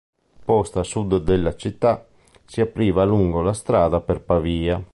Posta a sud della città, si apriva lungo la strada per Pavia.